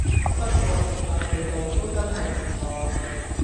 不過食物味道都真係唔錯